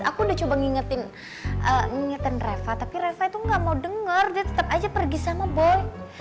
aku udah coba ngingetin reva tapi reva tuh gak mau dengar dia tetap aja pergi sama boy